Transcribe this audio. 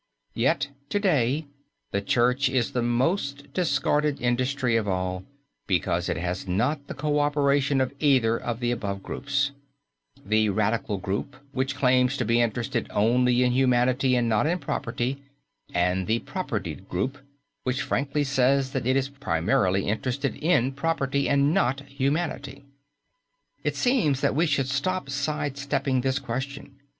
Yet to day, the Church is the most discarded industry of all, because it has not the coöperation of either of the above groups, the radical group which claims to be interested only in humanity and not in property, and the propertied group which frankly says that it is primarily interested in property and not humanity. It seems that we should stop side stepping this question.